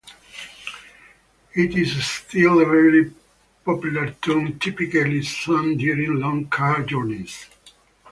It is still a very popular tune, typically sung during long car journeys.